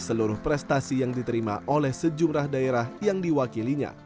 seluruh prestasi yang diterima oleh sejumlah daerah yang diwakilinya